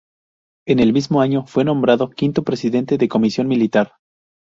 En el mismo año, fue nombrado Quinto Presidente de Comisión Militar.